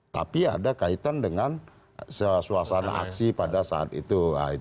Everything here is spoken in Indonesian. tapi ada kaitan dengan suasana aksi pada saat itu